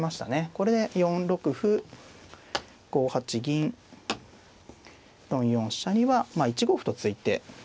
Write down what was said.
これで４六歩５八銀４四飛車にはまあ１五歩と突いて。